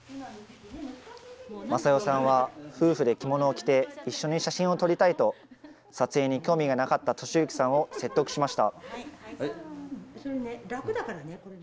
正代さんは夫婦で着物を着て、一緒に写真を撮りたいと、撮影に興味がなかった利之さんを説得しました。